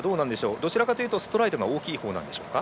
どちらかというとストライドが大きいほうなんでしょうか？